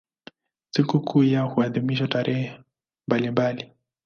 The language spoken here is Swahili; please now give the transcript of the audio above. Sikukuu zao huadhimishwa tarehe mbalimbali.